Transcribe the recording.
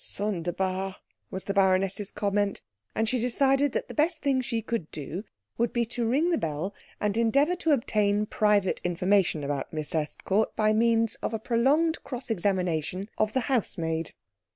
"Sonderbar," was the baroness's comment; and she decided that the best thing she could do would be to ring the bell and endeavour to obtain private information about Miss Estcourt by means of a prolonged cross examination of the housemaid.